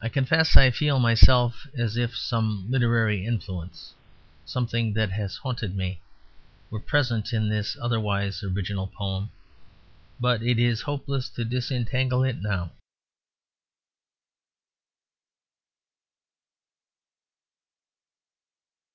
I confess I feel myself as if some literary influence, something that has haunted me, were present in this otherwise original poem; but it is hopeless to disentangle it now.